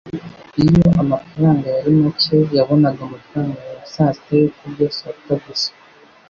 Iyo amafaranga yari make, yabonaga amafaranga ya sasita yo kurya saa sita gusa